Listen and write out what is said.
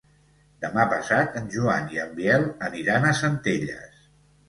Demà passat en Joan i en Biel aniran a Centelles.